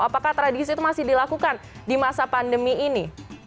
apakah tradisi itu masih dilakukan di masa pandemi ini